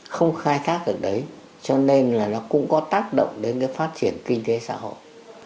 không khai thác được đấy cho nên là nó cũng có tác động đến cái phát triển kinh tế xã hội